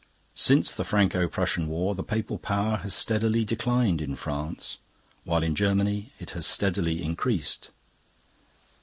Since the Franco Prussian War the Papal power has steadily declined in France, while in Germany it has steadily increased.